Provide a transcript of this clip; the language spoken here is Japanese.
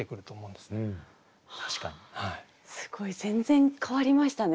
すごい全然変わりましたね。